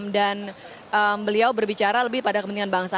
dan beliau berbicara lebih pada kepentingan bangsa